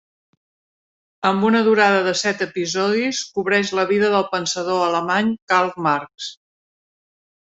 Amb una durada de set episodis, cobreix la vida del pensador alemany Karl Marx.